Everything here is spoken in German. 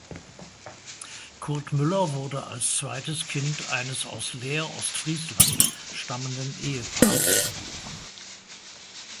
Kurt Müller wurde als zweites Kind eines aus Leer (Ostfriesland) stammenden Ehepaars geboren.